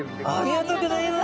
ありがとうございます。